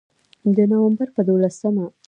د نومبر په دولسمه